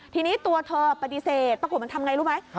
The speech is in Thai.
ทีนี้ตัวเธอปฏิเสธปรากฏมันทำไงรู้ไหม